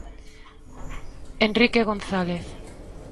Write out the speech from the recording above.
Enrique González.